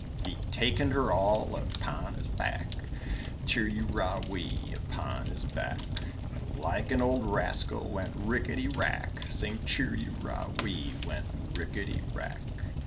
He takened her all upon his back, Chir u ra wee, upon his back, And like an old rascal went rickity rack, Sing chir u ra wee, went rickity rack.